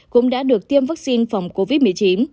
cũng đã được tiêm vaccine phòng covid một mươi chín